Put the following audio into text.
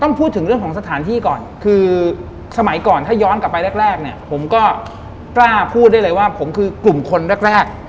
พูดถึงเรื่องของสถานที่ก่อนคือสมัยก่อนถ้าย้อนกลับไปแรกแรกเนี่ยผมก็กล้าพูดได้เลยว่าผมคือกลุ่มคนแรก